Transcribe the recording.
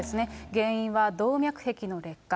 原因は動脈壁の劣化。